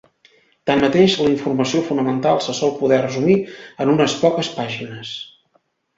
Tanmateix, la informació fonamental se sol poder resumir en unes poques pàgines.